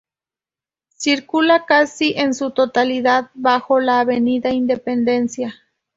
Circula casi en su totalidad bajo la Avenida Independencia.